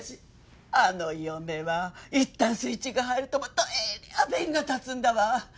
あの嫁はいったんスイッチが入るとどえりゃあ弁が立つんだわ。